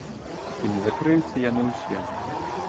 Ці не закрыюцца яны ўсе?